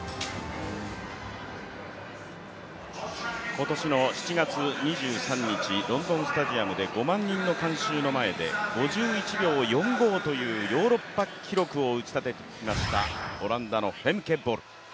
今年の７月２３日、ロンドンスタジアムで５万人の観衆の前で５１秒４５というヨーロッパ記録を打ち立てました、フェムケ・ボル。